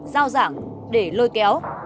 giao giảng để lôi kéo